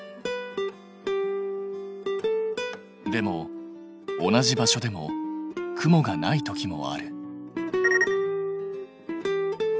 でも同じ場所でも雲がない時もある。